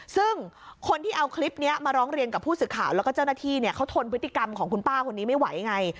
ซึ่งคนที่เอาคลิปนี้มาร้องเรียนกับผู้สื่อข่าวแล้วก็เจ้าหน้าที่เขาทนพฤติกรรมของคุณป้าคนนี้ไม่ไหวไง